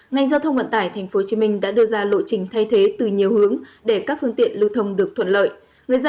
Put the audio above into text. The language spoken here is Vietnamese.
ngành giao thông vận tải tp hcm đã đưa ra lộ trình thay thế từ nhiều hướng